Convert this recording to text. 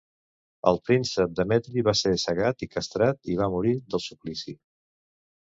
El príncep Demetri va ser cegat i castrat i va morir del suplici.